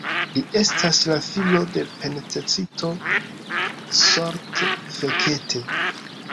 Li estas la filo de pentristo Zsolt Fekete.